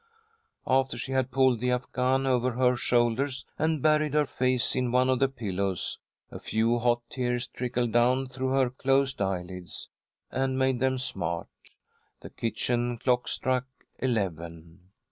After she had pulled the afghan over her shoulders and buried her face in one of the pillows, a few hot tears trickled down through her closed eyelids, and made them smart. The kitchen clock struck eleven.